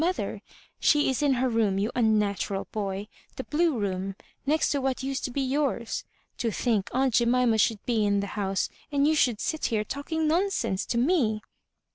molhei I She is in her room, you unnatural boy ; the blue room, next to what used to be yours. To think aunt Jemima should be in the house, and you should sit here talking nonsense to me!"